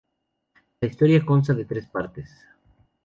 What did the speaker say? La historia consta de tres partes.